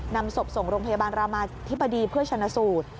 นำศพส่งโรงพยาบาลรามาธิบดีเพื่อชนะสูตร